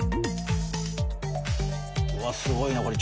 うわすごいなこれ。